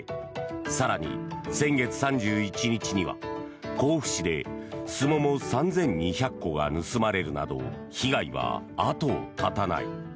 更に先月３１日には甲府市でスモモ３２００個が盗まれるなど被害は後を絶たない。